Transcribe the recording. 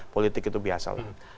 politik itu biasa